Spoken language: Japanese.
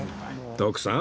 徳さん